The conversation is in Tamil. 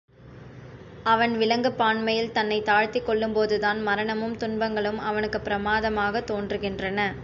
அவன் விலங்குப் பான்மையில் தன்னைத் தாழ்த்திக் கொள்ளும்போதுதான் மரணமும் துன்பங்களும் அவனுக்குப் பிரமாதமாகத் தோன்றுகின்றன.